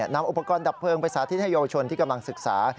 นำอุปกรณ์ดับเพลิงไปสาธิตให้เยาวชนที่กำลังศึกษา